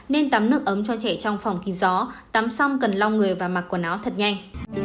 nên tắm nước ấm cho trẻ trong phòng kín gió tắm sông cần long người và mặc quần áo thật nhanh